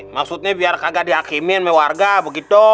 maksudnya biar kagak dihakimin sama warga begitu